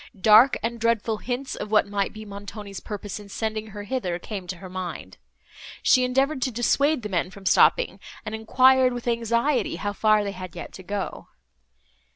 Dark and dreadful hints of what might be Montoni's purpose in sending her hither, came to her mind. She endeavoured to dissuade the men from stopping, and enquired, with anxiety, how far they had yet to go.